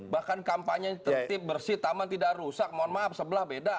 bahkan kampanye tertib bersih taman tidak rusak mohon maaf sebelah beda